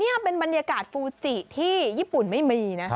นี่เป็นบรรยากาศฟูจิที่ญี่ปุ่นไม่มีนะ